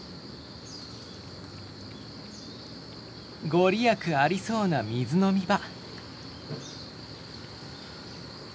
御利益ありそうな水飲み場。